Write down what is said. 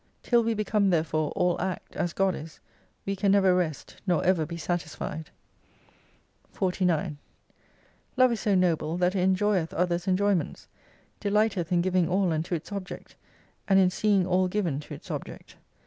Till we become therefore all Act as God is, we can never rest, nor ever be satisfied. 49 Love is so noble that it enjoyeth others' enjoyments, delighteth in giving all unto its object, and in seeing all given to its object.